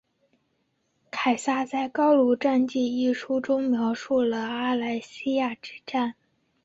凯撒在高卢战记一书中描述了阿莱西亚之战。